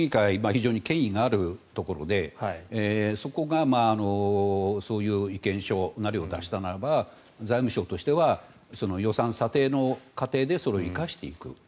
非常に権威があるところでそこがそういう意見書なりを出したならば財務省としては予算査定の過程でそれを生かしていく。